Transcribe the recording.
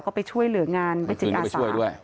ก็ไปช่วยเหลืองานไปจิกอาศาสตร์ไปช่วยด้วย